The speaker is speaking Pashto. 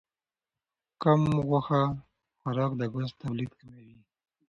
کم غوښه خوراک د ګاز تولید کموي.